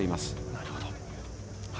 なるほど。